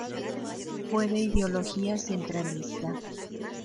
Fue de ideología centralista.